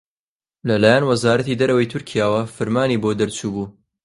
لەلایەن وەزارەتی دەرەوەی تورکیاوە فرمانی بۆ دەرچووبوو